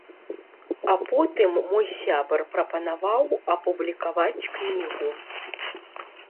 А потым мой сябар прапанаваў апублікаваць кнігу.